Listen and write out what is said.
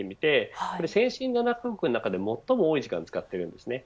先進７カ国の中で最も多い時間を使っています。